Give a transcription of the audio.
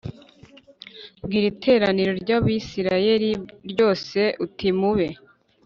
Bwira iteraniro ry Abisirayeli ryose uti Mube